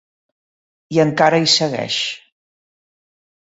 I encara hi segueix.